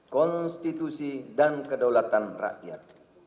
konstitusi dan kedaulatan rakyat